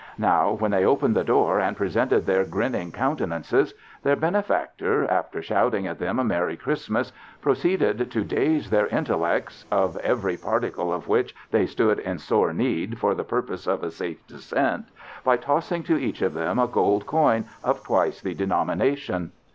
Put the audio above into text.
Now, when they opened the door and presented their grin ning countenances, their benefactor, after shouting at them a merry Christmas, pro ceeded to daze their intellects, of every par ticle of which they stood in sore need for the purpose of a safe descent, by tossing to each of them a gold coin of twice the denomina tion.